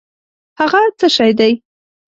هٔغه څه شی دی؟